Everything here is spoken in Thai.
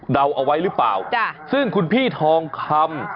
เดาเอาไว้หรือเปล่าซึ่งคุณพี่ทองคำ